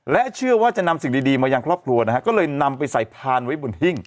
เชื่อว่าจะนำสิ่งดีมายังครอบครัวนะฮะก็เลยนำไปใส่พานไว้บนหิ้ง